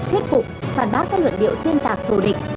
thuyết phục phản bác các luận điệu xuyên tạc thù địch